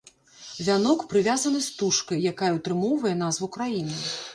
Вянок прывязаны стужкай, якая ўтрымоўвае назву краіны.